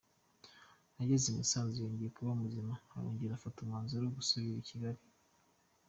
Ageze i Musanze yongeye kuba muzima arongera afata umwanzuro wo gusubira i Kigali.